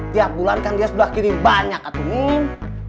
tiap bulan kan dia sudah kini banyak tuh nin